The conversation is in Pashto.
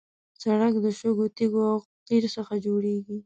سړک د شګو، تیږو او قیر څخه جوړېږي.